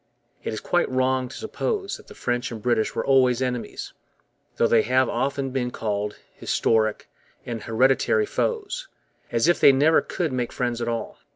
It is quite wrong to suppose that the French and British were always enemies, though they have often been called 'historic' and 'hereditary' foes, as if they never could make friends at all.